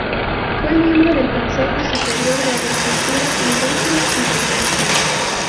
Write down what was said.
Fue miembro del Consejo Superior de Agricultura, Industria y Comercio.